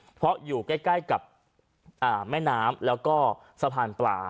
เพราะอยู่ใกล้กับแม่น้ำแล้วก็สะพานปลา